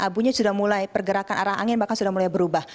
abunya sudah mulai pergerakan arah angin bahkan sudah mulai berubah